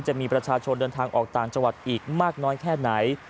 จะมีประชาชนเดินทางออกต่างจังหวัดอีกมากน้อยแค่ไหน